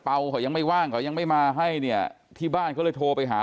เขายังไม่ว่างเขายังไม่มาให้เนี่ยที่บ้านเขาเลยโทรไปหา